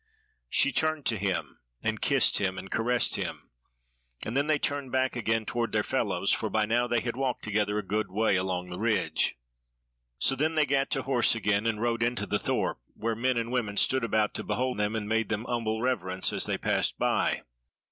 She turned to him and kissed him and caressed him, and then they turned back again toward their fellows, for by now they had walked together a good way along the ridge. So then they gat to horse again and rode into the thorp, where men and women stood about to behold them, and made them humble reverence as they passed by.